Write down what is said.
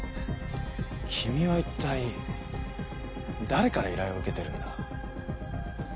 君は一体誰から依頼を受けてるんだ？